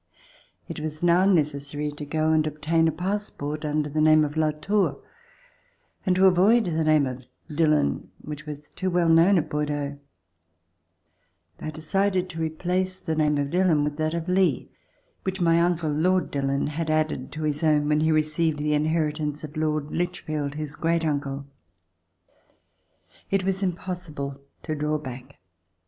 It was now necessary to go and obtain a pass port under the name of Latour, and to avoid the name of Dillon which was too well known at Bordeaux, I decided to replace the name of Dillon with that of Lee, which my uncle Lord Dillon had added to his own when he received the inheritance of Lord Lichfield, his great uncle. It was impossible to draw back.